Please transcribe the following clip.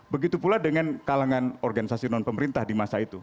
begitu pula dengan kalangan organisasi non pemerintah di masa itu